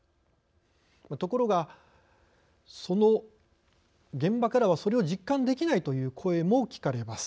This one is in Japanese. ところが、その現場からはそれを実感できないという声も聞かれます。